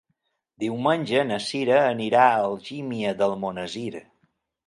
Diumenge na Cira anirà a Algímia d'Almonesir.